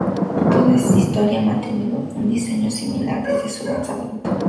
Todo es Historia ha mantenido un diseño similar desde su lanzamiento.